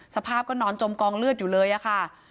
สภาพก็นอนจมกองเลือดอยู่เลยค่ะ